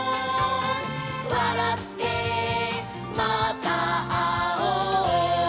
「わらってまたあおう」